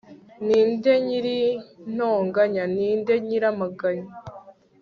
ni nde nyir'intonganya? ni nde nyir'amaganya